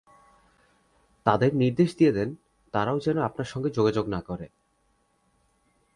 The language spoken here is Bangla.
তাদের নির্দেশ দিয়ে দেন তারাও যেন আপনার সঙ্গে যোগাযোগ না করে।